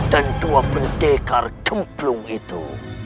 dan dua pendekar gemplung itu